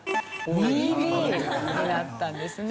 ２Ｂになったんですね。